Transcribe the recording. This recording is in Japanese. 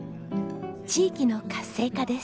地域の活性化です。